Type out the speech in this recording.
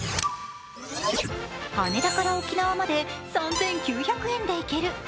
羽田から沖縄まで３９００円で行ける！